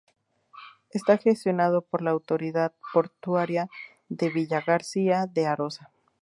Está gestionado por la autoridad portuaria de Villagarcía de Arosa.